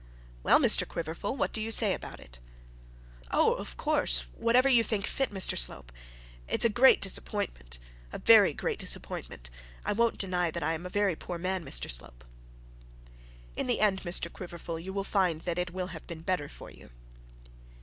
'Well, Mr Quiverful, what do you say about it?' 'Oh, of course, whatever you think, Mr Slope. It's a great disappointment, a very great disappointment. I won't deny that I am a very poor man, Mr Slope.' 'In the end, Mr Quiverful, you will find that it will have been better for you.'